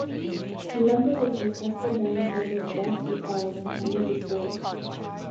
Members of successful bands such as Def Leppard attended the school.